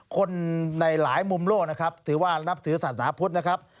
คนในหลายมุมโลกนะครับถือว่านับถือศาสนาพุทธนะครับ